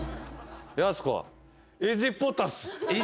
やす子エジポタス。